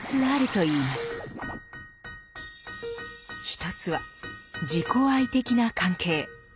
一つは自己愛的な関係。